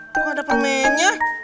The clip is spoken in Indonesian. kok ada pemennya